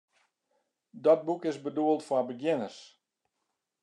Dat boek is bedoeld foar begjinners.